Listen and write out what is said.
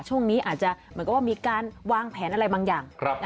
ช่วงนี้อาจจะเหมือนกับว่ามีการวางแผนอะไรบางอย่าง